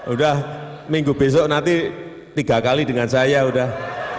udah minggu besok nanti tiga kali dengan saya udah